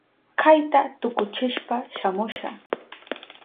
Kayta tukuchishpa shamusha.